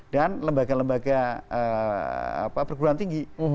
dan lembaga lembaga perguruan tinggi